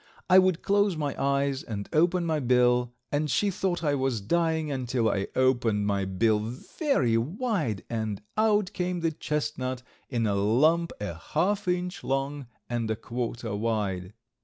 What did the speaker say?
I would close my eyes and open my bill, and she thought I was dying until I opened my bill very wide and out came the chestnut in a lump a half inch long and a quarter wide.